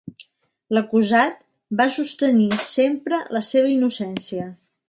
L'acusat va sostenir sempre la seva innocència.